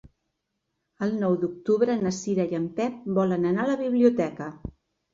El nou d'octubre na Cira i en Pep volen anar a la biblioteca.